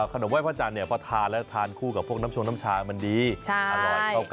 ขนมว่ายพระจันทร์ทานมาครุ่งน้ำชวงน้ำชามันดีอร่อย